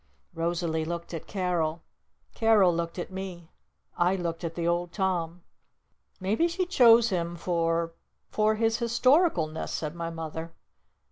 Rosalee looked at Carol. Carol looked at me. I looked at the Old Tom. "Maybe she chose him for for his historicalness," said my Mother.